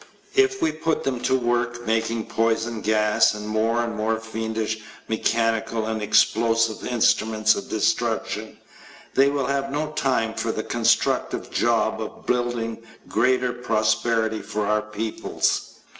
If we put them to work making poison gas and more and more fiendish mechanical and explosive instruments of destruction, they will have no time for the constructive job of building greater prosperity for all peoples.